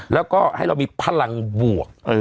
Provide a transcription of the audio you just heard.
แล้วก็ให้เรามีพลังบวก